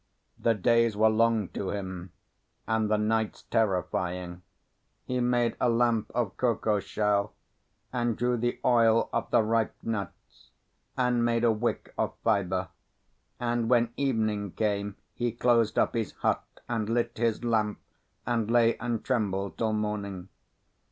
The days were long to him, and the nights terrifying. He made a lamp of cocoa shell, and drew the oil of the ripe nuts, and made a wick of fibre; and when evening came he closed up his hut, and lit his lamp, and lay and trembled till morning.